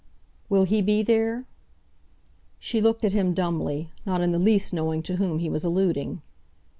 "Will he be there?" She looked at him dumbly; not in the least knowing to whom he was alluding.